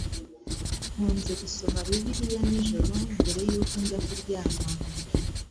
Nkunze gusoma Bibiliya nijoro mbere yuko njya kuryama.